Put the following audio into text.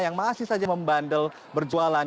yang masih saja membandel berjualan